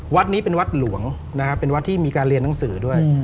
วัดนี้เป็นวัดหลวงนะครับเป็นวัดที่มีการเรียนหนังสือด้วย